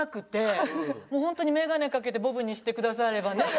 もうホントに眼鏡かけてボブにしてくださればね。